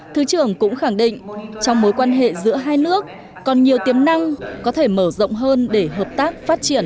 thứ trưởng cũng khẳng định trong mối quan hệ giữa hai nước còn nhiều tiềm năng có thể mở rộng hơn để hợp tác phát triển